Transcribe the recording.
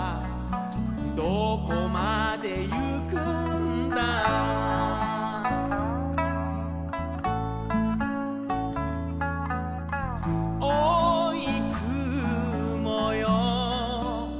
「どこまでゆくんだ」「おうい雲よ」